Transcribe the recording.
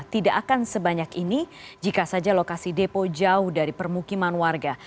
tidak akan sebanyak ini jika saja lokasi depo jauh dari permukiman warga